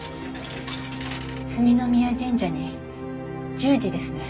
角宮神社に１０時ですね。